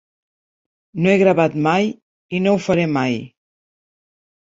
No he gravat mai, i no ho faré mai.